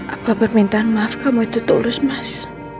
aku berpintaan maaf kamu itu tulus mas